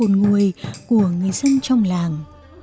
nhớ tiếc hồn nguôi của người dân trong làng